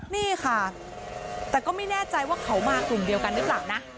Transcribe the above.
นี่ค่ะแต่ก็ไม่แน่ใจว่าเขามากลุ่มเดียวกันหรือเปล่านะ